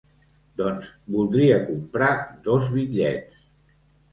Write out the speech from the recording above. Doncs voldria comprar dos bitllets.